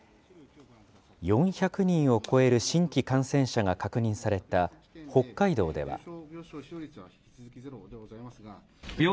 ４００人を超える新規感染者が確認された北海道では。